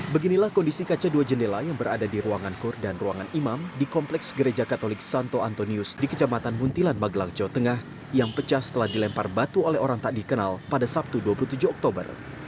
beginilah kondisi kaca dua jendela yang berada di ruangan kur dan ruangan imam di kompleks gereja katolik santo antonius di kecamatan muntilan magelang jawa tengah yang pecah setelah dilempar batu oleh orang tak dikenal pada sabtu dua puluh tujuh oktober